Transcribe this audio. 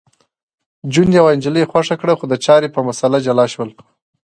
جون یوه نجلۍ خوښه کړه خو د چای په مسله جلا شول